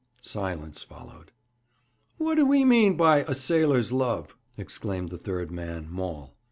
"' Silence followed. 'What do he mean by "a sailor's love"?' exclaimed the third man, Maul.